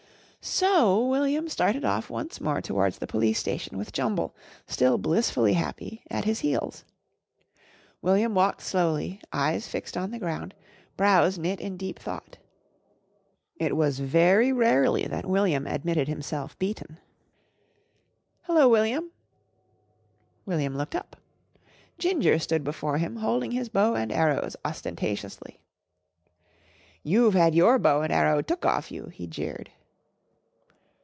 So William started off once more towards the Police Station with Jumble, still blissfully happy, at his heels. William walked slowly, eyes fixed on the ground, brows knit in deep thought. It was very rarely that William admitted himself beaten. "Hello, William!" William looked up. Ginger stood before him holding his bow and arrows ostentatiously. "You've had your bow and arrow took off you!" he jeered.